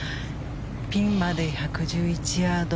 ピンまで１１１ヤード